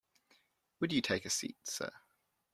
Would you take a seat, sir?